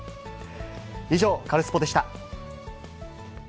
以上、カルスポっ！でした。